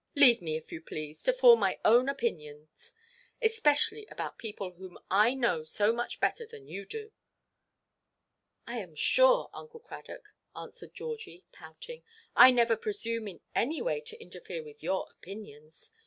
Leave me, if you please, to form my own opinions, especially about people whom I know so much better than you do." "I am sure, Uncle Cradock," answered Georgie, pouting, "I never presume in any way to interfere with your opinions.